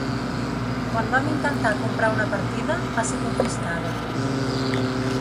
Quan vam intentar comprar una partida, va ser confiscada.